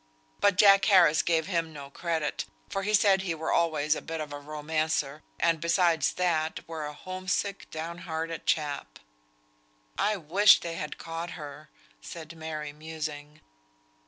But Jack Harris gave him no credit, for he said he were always a bit of a romancer, and beside that, were a home sick, down hearted chap." "I wish they had caught her," said Mary, musing.